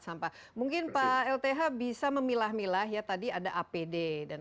sampah mungkin kalau th bisa memilah milah ya tadi ada apd dan apd ini kan tentu tep apakah misalnya